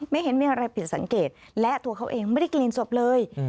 เห็นมีอะไรผิดสังเกตและตัวเขาเองไม่ได้กลิ่นศพเลย